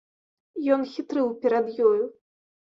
Ён хітрыў перад ёю.